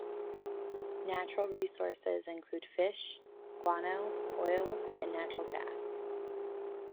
Natural resources include fish, guano, oil and natural gas.